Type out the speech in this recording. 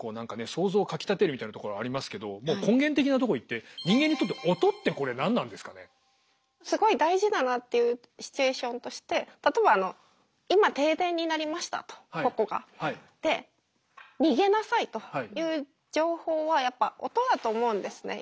想像をかきたてるみたいなところありますけどもう根源的なとこいってすごい大事だなっていうシチュエーションとして例えば今停電になりましたとここが。で逃げなさいという情報はやっぱ音だと思うんですね